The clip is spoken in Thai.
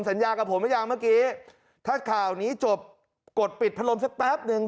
สัญญากับผมหรือยังเมื่อกี้ถ้าข่าวนี้จบกดปิดพัดลมสักแป๊บนึง